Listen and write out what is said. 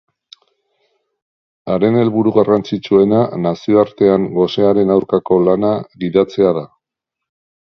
Haren helburu garrantzitsuena nazioartean gosearen aurkako lana gidatzea da.